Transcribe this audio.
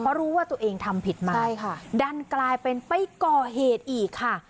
เพราะรู้ว่าตัวเองทำผิดมาใช่ค่ะดันกลายเป็นไปก่อเหตุอีกค่ะ